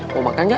mau makan gak